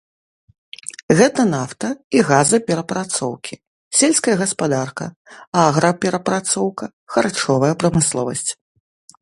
Гэта нафта і газаперапрацоўкі, сельская гаспадарка, аграперапрацоўка, харчовая прамысловасць.